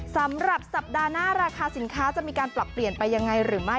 สำหรับสัปดาห์หน้าราคาสินค้าจะมีการปรับเปลี่ยนไปยังไงหรือไม่